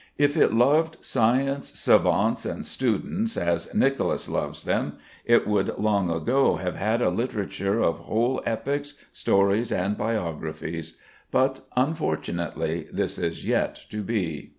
If it loved science, savants and students as Nicolas loves them, it would long ago have had a literature of whole epics, stories, and biographies. But unfortunately this is yet to be.